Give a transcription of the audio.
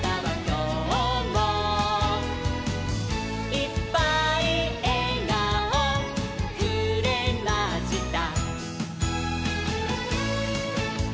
「いっぱいえがおくれました」